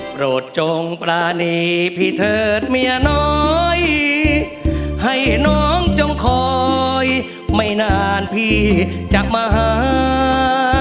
โปรดจงปรานีพี่เถิดเมียน้อยให้น้องจงคอยไม่นานพี่จะมาหา